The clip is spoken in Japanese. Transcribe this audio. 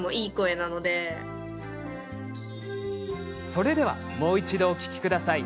それではもう一度お聞きください。